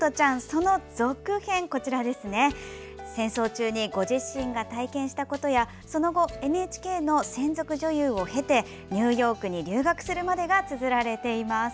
その続編、戦争中にご自身が体験したことやその後、ＮＨＫの専属女優を経てニューヨークに留学するまでがつづられています。